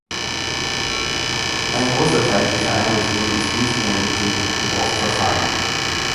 Ein großer Teil dieser Einrichtungen ist nicht mehr in Betrieb und oft verfallen.